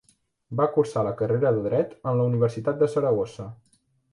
Va cursar la carrera de Dret en la Universitat de Saragossa.